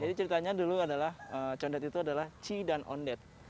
jadi ceritanya dulu adalah condet itu adalah ci dan ondet